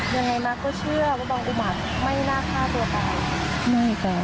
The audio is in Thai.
ยังไงมาก็เชื่อว่าน้องอุมาตรไม่น่าฆ่าตัวตาย